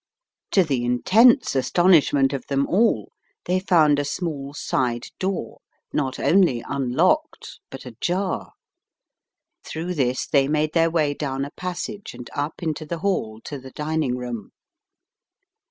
To the intense astonishment of them all they found a small side door, not only unlocked, but ajar. Through this they made their way down a passage and up into the hall to the dining room.